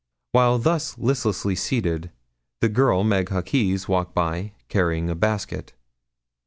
While thus listlessly seated, the girl Meg Hawkes, walked by, carrying a basket.